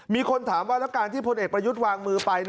มีคนถามว่าแล้วการที่พลเอกประยุทธ์วางมือไป